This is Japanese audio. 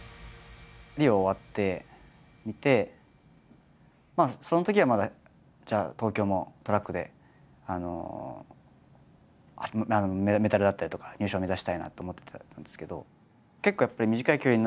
リオ終わってみてそのときはまだじゃあ東京もトラックでメダルだったりとか入賞を目指したいなと思ってたんですけど。